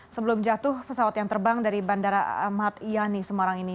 sebelum jatuh pesawat yang terbang dari bandara ahmad yani semarang ini